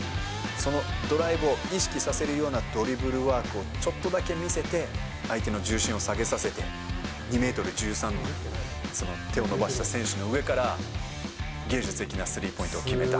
そのドライブを意識させるようなドリブルワークをちょっとだけ見せて、相手の重心を下げさせて、２メートル１３、手を伸ばした選手の上から、芸術的なスリーポイントを決めた。